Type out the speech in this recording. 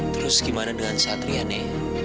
terus bagaimana dengan satriane